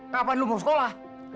kapan lu mau sekolah